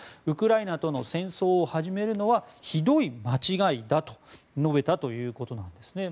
ウクライナとの戦争を始めるのはひどい間違いだと述べたということです。